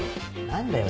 何だよ？